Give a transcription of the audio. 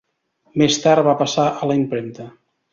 Més tard va passar a la impremta.